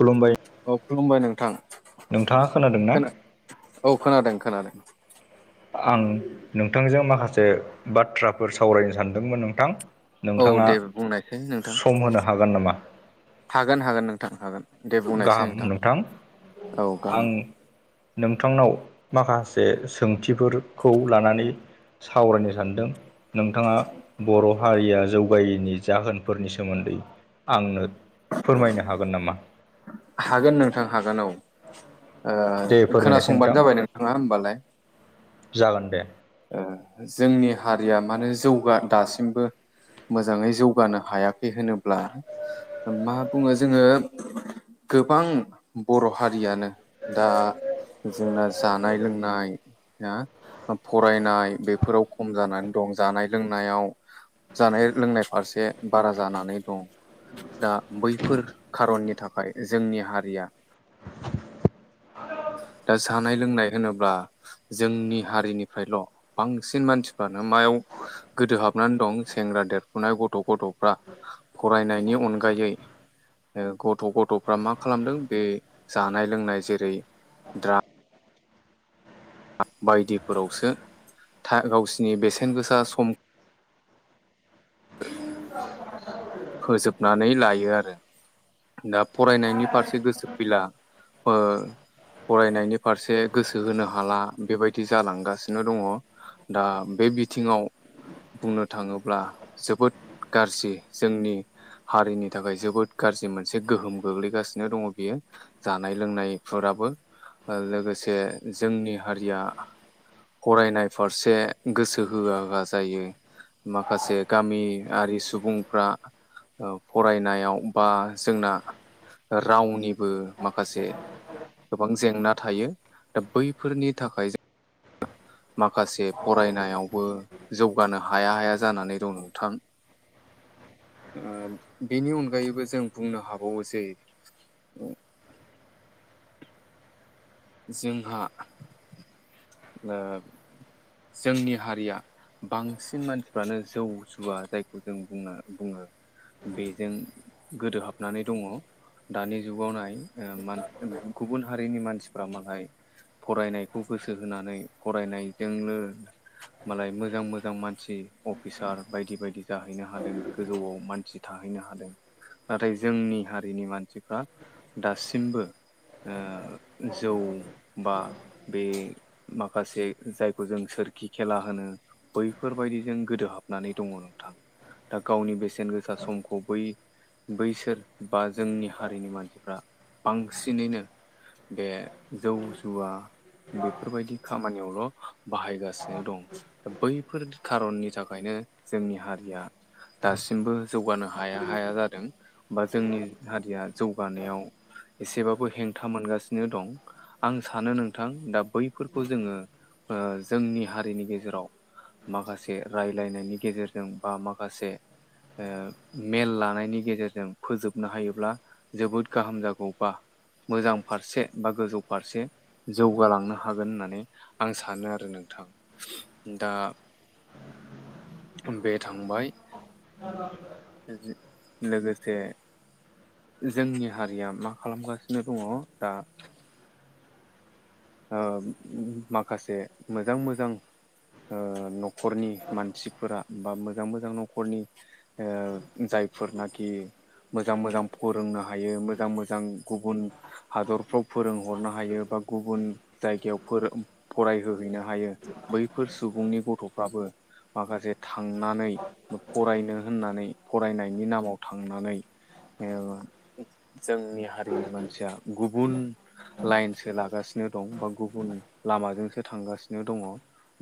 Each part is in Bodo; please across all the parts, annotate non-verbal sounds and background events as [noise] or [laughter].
खलुमबाइ औ खुलुमबाय नोंथां नोंथाङा खोनादों ना खोना औ खोनादों खोनादों। आं नोंथांजों माखासे बाथ्राफोर सावरायनो सानदोंमोन नोंथां। औ नोंथाङा दे बुंनायसै नोंथां सम होनो हागोन नामा? हागोन हागोन नोंथां हागोन दे बुंनायसै नोंथां औ आं गाहाम। नोंथांनाव माखासे सोंथिफोरखौ लानानै सावरायनो सानदों। नोंथाङा बर' हारिया जौगायैनि जाहोनफोरनि सोमोन्दै आंनो फोरमायनो हागोन नामा? हागोन नोंथां हागोन औ दे ओ फोरमायनोसै खोनासंबानो नोंथां जाबाय नोंथाङा होमबालाय। जागोन दे। ओ जोंनि हारिया मानो जौगा दासिमबो मोजाङै जौगानो हायाखै होनोब्ला मा बुङो जोंङो गोबां बर' हारियानो दा जोंना जानाय लोंनाया फरायनाय बेफोराव खम जानानै दं जानाय लोंनायाव जानाय लोंनाय फारसे बारा जानानै दं। दा बैफोर खारननि थाखाय जोंनि हारिया दा जानाय लोंनाय होनोब्ला जोंनि हारिनिफ्रायल' बांसिन मानसिफ्रानो मायाव गोदोहाबनानै दं सेंग्रा देरफुनाय गथ' गथ'फ्रा फरायनायनि अनगायै ओ गथ' गथ'फ्रा मा खालामदों बे जानाय लोंनाय जेरै द्राक्स बायदिफोरावसो था गावसिनि बेसेन गोसा सम [inaudible] फोजोबनानै लायो आरो। दा फरायनायनि फारसे गोसो फैला फो फरायनायनि फारसे गोसो होनो हाला बेबायदि जालांगासिनो दङ। दा बे बिथिङाव बुंनो थाङोब्ला जोबोद गाज्रि। जोंनि हारिनि थाखाय जोबोद गाज्रि मोनसे गोहोम गोग्लैगासिनो दङ बियो। जानाय लोंनायफोराबो ओ लोगोसे जोंनि हारिया फरायनाय फारसे गोसो होआ होआ जायो। माखासे गामियारि सुबुं फ्रा फरायनायाव बा जोंना रावनिबो माखासे गोबां जेंना थायो दा बैफोरनि थाखाय जों माखासे फरायनायावबो जौगानो हाया हाया जानानै दं नोंथां। ओ बेनि अनगायैबो जों बुंनो हाबावो जे जोंहा ओ जोंनि हारिया बांसिन मानसिफ्रानो जौ जुवा जायखौ जों बुंनो बुङो। बेजों गोदोहाबनानै दङ दानि जुगावनाय ओ मान गुबुन हारिनि मानसि फोरामालाय फरायनायखौ गोसो होनानै फरायनायजोंनो मालाय मोजां मोजां मानसि अफिसार बायदि बायदि जाहैनो हादों। गोजौआव मानसि थाहैनो हादों। नाथाय जोंनि हारिनि मानसिफ्रा दासिमबो ओ जौ बा बे माखासे जायखौ जों सोरखि खेला होनो। बैफोरबायदिजों गोदोहाबनानै दङ नोंथां। दा गावनि बेसेन गोसा समखौ बै बैसोर बा जोंनि हारिनि मानसिफ्रा बांसिनैनो बे जौ जुवा बेफोरबायदि खामानियावल' बाहायगासिनो दं बैफोर खारननि थाखायनो जोंनि हारिया दासिमबो जौगानो हाया हाया जादों बा जोंनि हारिया जौगानायाव एसेबाबो हेंथा मोनगासिनो दं आं सानो नोंथां दा बैफोरखौ जोङो ओ जोंनि हारिनि गेजेराव माखासे रायलायनायनि गेजेरजों बा माखासे ओ मेल लानायनि गेजेरजों फोजोबनो हायोब्ला जोबोद गाहाम जागौबा मोजां फारसे बा गोजौ फारसे जौगालांनो हागोन होननानै आं सानो आरो नोंथां दा बे थांबाय औ [unintelligible] लोगोसे जोंनि हारिया मा खालामगासिनो दङ दा ओ माखासे मोजां मोजां ओ न'खरनि मानसिफोरा बा मोजां मोजां न'खरनि ओ जायफोर नाखि मोजां मोजां फोरोंनो हायो मोजां मोजां गुबुन हादरफ्राव फोरोंहरनो हायो बा गुबुन जायगायाव फरायहोहैनो हायो बैफोर सुबुंनि गथ'फ्राबो माखासे थांनानै फरायनो होननानै फरायनायनि नामाव थांनानै जोंनि हारिनि मानसिया गुबुन लाइनसो लागासिनो दं बा गुबुन लामाजोंसो थांगासिनो दङ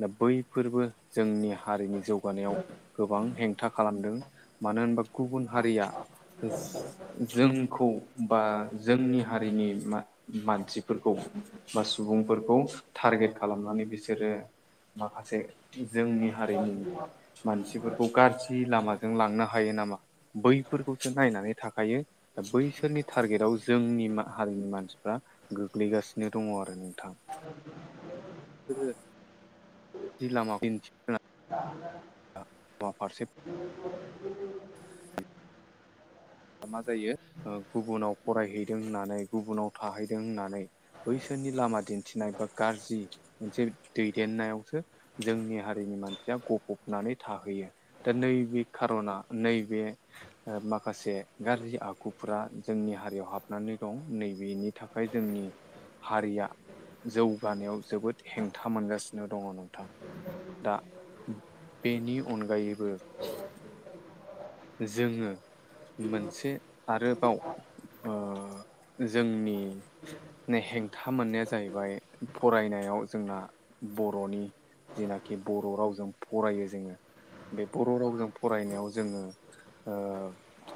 दा बैफोरबो जोंनि हारिनि जौगानायाव गोबां हेंथा खालामदों मानो होनोबा गुबुन हारिया जोंखौ बा जोंनि हारिनि मानसिफोरखौ बा सुबुंफोरखौ टारगेट खालामनानै बिसोरो माखासे जोंनि हारिनि मानसिफोरखौ गाज्रि लामाजों लांनो हायो नामा बैफोरखौसो नायनानै थाखायो दा बैसोरनि टारगेटआव जोंनि हारिनि मानसिफ्रा गोग्लैगासिनो नो दङ आरो नोंथां बि जिल्लालामाव दिन्थि दनो [unintelligible] फारसे मा जायो गुबुनाव फरायहैदों होननानै गुबुनाव थाहैदों होननानै बैसोरनि लामा दिन्थिनाय बा गाज्रि मोनसे दैदेननायावसो जोंनि हारिनि मानसिया गफबनानै थाहैयो दा नैबे खार'ना नैबे माखासे गाज्रि आखुफोरा जोंनि हारियाव हाबनानै दं नैबेनि थाखाय जोंनि हारिया जौगानायाव जोबोद हेंथा मोनगासिनो दङ नोंथांा दा बेनि अनगायैबो जोङो मोनसे आरोबाव ओ जोंनि हेंथा मोननाया जाहैबाय फरायनायाव जोंना बर'नि जेनाखि बर' रावजों फरायो जोङो बे बर' रावजों फरायनायाव जोङो ओ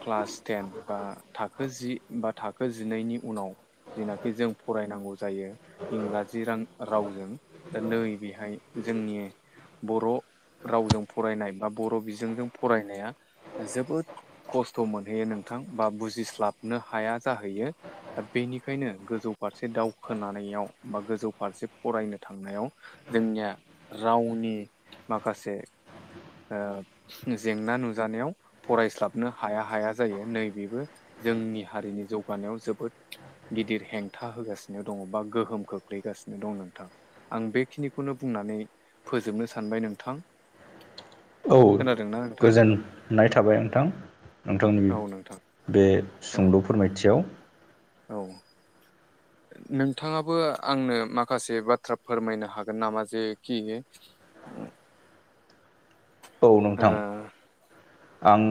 क्लास टेन बा थाखो जि बा थाखो जिनैनि उनाव जेनाखि जों फरायनांगौ जायो इंराजि रां रावजों दा नै बेहाय जोंनि बर' रावजों फरायनाय बा बर' बिजोंजों फरायनाया जोबोद खस्थ' मोनहैयो नोंथां बा बुजिस्लाबनो हाया जाहैयो। दा बेनिखायनो गोजौ फारसे दावखोनानायाव बा गोजौ फारसे फरायनो थांनायाव जोंनिया रावनि माखासे ओ जेंना नुजानायाव फरायस्लाबनो हाया हाया जायो नैबेबो जोंनि हारिनि जौगानायाव जोबोद गिदिर हेंथा होगासिनो दङ बा गोहोम खोख्लैगासिनो दं नोंथां। आं बेखिनिखौनो बुंनानै फोजोबनो सानबाय नोंथां। औ खोनादोंना नोंथां गोजोननाय थाबाय नोंथां‌ नोंथांमोननि औ नोंथां बे औ सुंद' फोरमायथियाव औ नोंथाङाबो आंनो माखासे बाथ्रा फोरमायनो हागोन नामा जेखि औ ओ नोंथां आं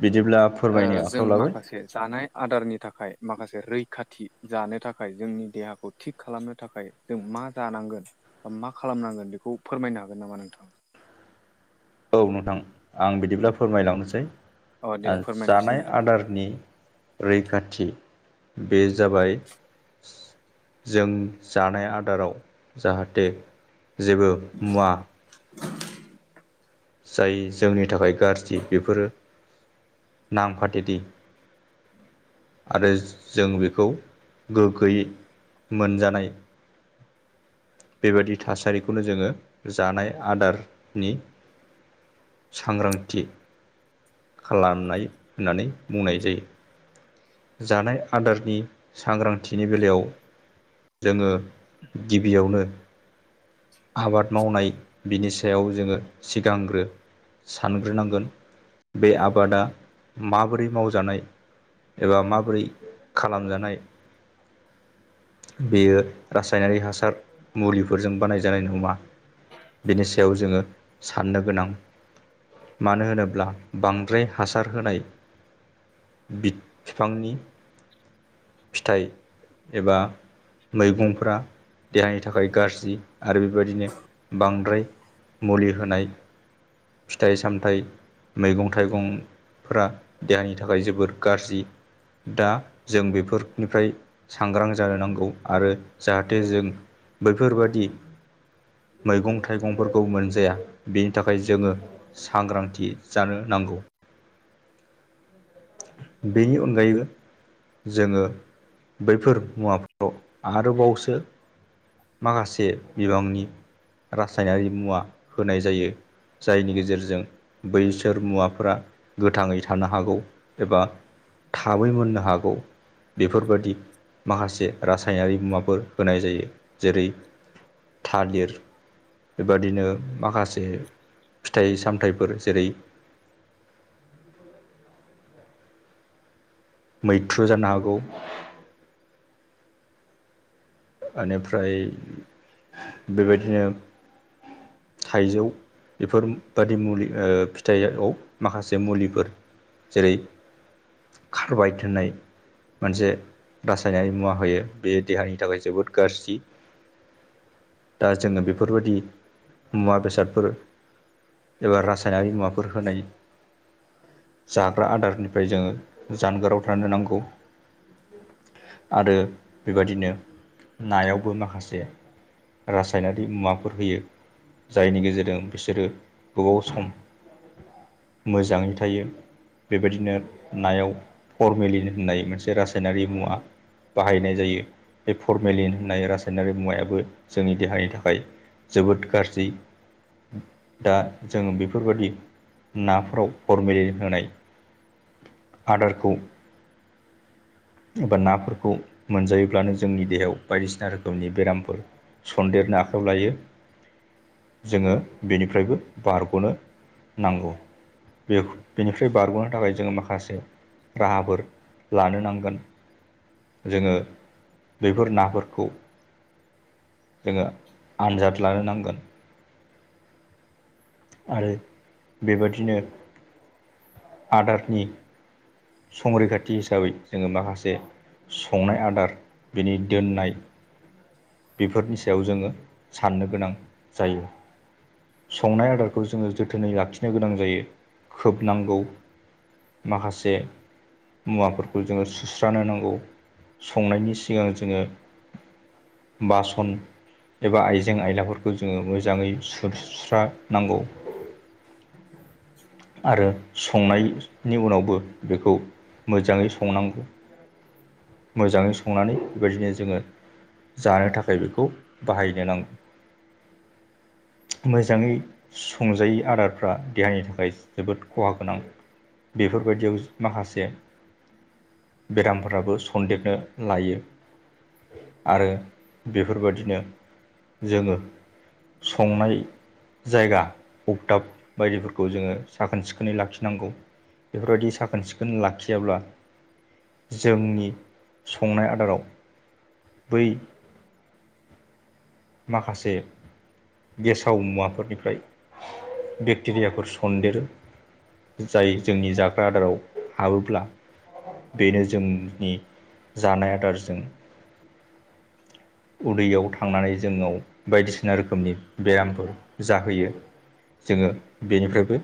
बिदिब्ला ओ फोरमायनो जों आखायाव लाबाय माखासे जानाय आदारनि थाखाय माखासे रैखाथि जानो थाखाय जोंनि देहाखौ थिग खालामनो थाखाय जों मा जानांगोन बा मा खालामनांगोन बेखौ फोरमायनो हागोन नामा नोंथाङा? औ नोंथां आं बिदिब्ला फोरमायलांनोसै अ ओ दे फोरमायनायसै जानाय नोंथां। आदारनि रैखाथि बे जाबाय जों जानाय आदाराव जाहाथे जेबो मुवा जाय जोंनि थाखाय गाज्रि बेफोरो नामफाथिदि आरो जों बेखौ गोगोयै मोनजानाय बेबायदि थासारिखौनो जोङो जानाय आदारनि सांग्रांथि खालामनाय होननानै बुंनाय जायो। जानाय आदारनि सांग्रांथिनि बेलायाव जोङो गिबियावनो आबाद मावनाय बिनि सायाव जोङो सिगांग्रो सानग्रोनांगोन। बे आबादा माबोरै मावजानाय एबा माबोरै खालामजानाय बेयो रासायनारि हासार मुलिफोरजों बानाय जानाय नङा बिनि सायाव जोङो साननो गोनां मानो होनोब्ला बांद्राय हासार होनाय बि बिफांनि फिथाइ एबा मैगंफ देहानि थाखाय गाज्रि। आरो बेबायदिनो बांद्राय मुलि होनाय फिथाइ सामथाइ मैगं थाइगंफोरा देहानि थाखाय जोबोर गाज्रि। दा जों बेफोरनिफ्राय सांग्रां जानो नांगौ आरो जाहाथे जों बैफोरबादि मैगं थाइगंफोरखौ मोनजाया बेनि थाखाय जोङो सांग्रांथि जानो नांगौ। बेनि अनगायैबो जोङो बैफोर मुवाफोराव आरोबावसो माखासे बिबांनि रासायनारि मुवा होनाय जायो। जायनि गेजेरजों बैसोर मुवाफोरा गोथाङै थानो हागौ एबा थाबै मोननो हागौ बेफोरबादि माखासे रासायनारि मुवाफोर होनाय जायो जेरै थालिर बेबादिनो माखासे फिथाइ सामथाइफोर जेरै मैथ्रु जानो हागौ। बेनिफ्राय बेबायदिनो थाइजौ बेफोरबादि मुलि फिथाइयाव माखासे मुलिफोर जेरै खारबायाइट होननाय मोनसे रासायनाय मुवा होयो बेयो देहानि थाखाय जोबोद गाज्रि। दा जोङो बेफोरबायाददि मुवा बेसादफोर एबा रासायनारि मुवाफोर होनाय जाग्रा आदारनिफ्राय जोङो जानगाराव थानो नांगौ। आरो बेबादिनो नायावबो माखासे रासायनारि मुवाफोर होयो। जायनि गेजेरजों बिसोरो गोबाव सम मोजाङै थायो। बेबायदिनो नायाव फरमेलिन होननाय मोनसे रासायनारि मुवा बाहायनाय जायो। बे फरमेलिन होननाय रासायनारि मुवायाबो जोंनि देहानि थाखाय जोबोद गाज्रि। दा जों बेफोरबादि नाफोराव फरमलि होनाय आदारखौ एबा नाफोरखौ मोनजायोब्लानो जोंनि देहायाव बायदिसिना रोखोमनि बेरामफोर सन्देरनो आखायाव लायो। जोङो बेनिफ्रायबो बारग'नो नांगौ। बे बिनिफ्राय बारग'नो थाखाय जोङो माखासे राहाफोर लानो नांगोन। जोङो बेफोर नाफोरखौ जोङो आनजाद लानो नांगोन। आरो बेबादिनो आदारनि संरैखाथि हिसाबै जोङो माखासे संनाय आदार बिनि दोननाय बेफोरनि सायाव जोङो साननो गोनां जायो। संनाय आदारखौ जोङो जोथोनै लाखिनो गोनां जायो, खोबनांगौ। माखासे मुवाफोरखौ जोङो सुस्रानो नांगौ। संनायनि सिगां जोङो बासन एबा आइजें आयलाफोरखौ जोङो मोजाङै सुस्रानांगौ। आरो संनायनि उनावबो बेखौ मोजाङै संनांगौ। मोजाङै संनानै बेबायदिनो जोङो जानो थाखाय बेखौ बाहायनो नांगौ। मोजाङै संजायै आदारफ्रा देहानि थाखाय जोबोद खहा गोनां बेफोरबायदियाव माखासे बेरामफोराबो सन्देरनो लायो। आरो बेफोरबादिनो जोङो संनाय जायगा अगदाब बायदिफोरखौ जोङो साखोन सिखोनै लाखिनांगौ। बेफोरबायदि साखोन सिखोनै लाखियाब्ला जोंनि संनाय आदाराव बै माखासे गेसाव मुवाफोरनिफ्राय बेक्टेरियाफोर सनदेरो जाय जोंनि जाग्रा आदाराव हाबोब्ला बेनो जोंनि जानाय आदारजों उदैयाव थांनानै जोंनाव बायदिसिना रोखोमनि बेरामफोर जाहोयो। जोङो बेनिफ्रायबो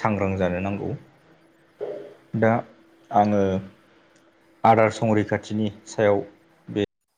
सांग्रां जानो नांगौ। दा आङो आदार संरैखाथिनि सायाव बे